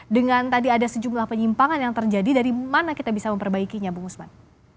dengan tadi ada sejumlah penyimpangan yang terjadi dari mana kita bisa memperbaikinya bung usman